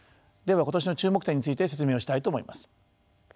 では今年の注目点について説明をしたいと思います。